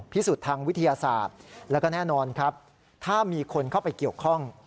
พิสูจน์ทางวิทยาศาสตร์แล้วก็แน่นอนครับถ้ามีคนเข้าไปเกี่ยวข้อง